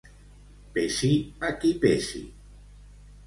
Pesi a qui pesi.